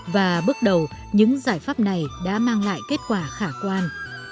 và bước đầu những giải pháp này đã mang lại kết quả khả quan